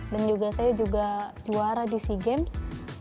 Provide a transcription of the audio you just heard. dan juga saya juga juara di yesi games